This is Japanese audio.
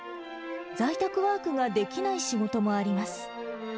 在宅ワークができない仕事もあります。